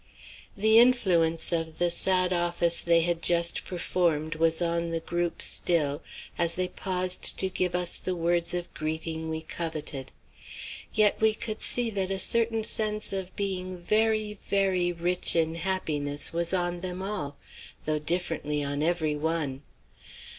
The influence of the sad office they had just performed was on the group still, as they paused to give us the words of greeting we coveted. Yet we could see that a certain sense of being very, very rich in happiness was on them all, though differently on every one.